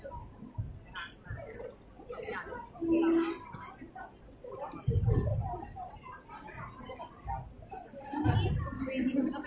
เวลาแรกพี่เห็นแวว